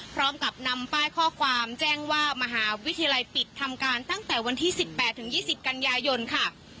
พร้อมกับนำป้ายข้อความแจ้งว่ามหาวิทยาลัยปิดทำการตั้งแต่วันที่๑๘๒๐กันยายนค่ะ